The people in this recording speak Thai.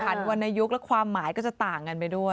เท่านี้พันวันยุคแล้วความหมายก็จะต่างกันไปด้วย